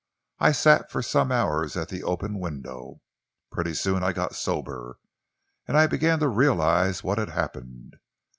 I sat for some hours at the open window. Pretty soon I got sober, and I began to realise what had happened.